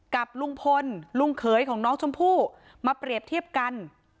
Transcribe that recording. กับลุงพลลุงเขยของน้องชมพู่มาเปรียบเทียบกัน